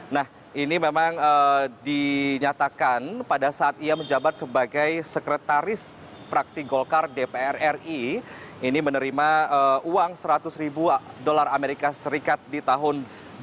nah ini memang dinyatakan pada saat ia menjabat sebagai sekretaris fraksi golkar dpr ri ini menerima uang seratus ribu dolar amerika serikat di tahun dua ribu dua